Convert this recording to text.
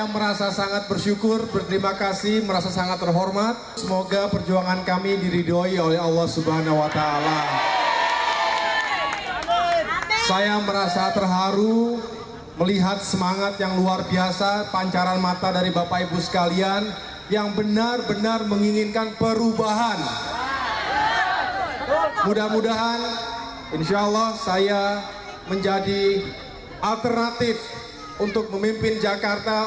mudah mudahan insya allah saya menjadi alternatif untuk memimpin jakarta